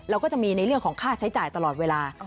ก็จะมีในเรื่องของค่าใช้จ่ายตลอดเวลา